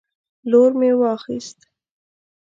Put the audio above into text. لور مې واخیست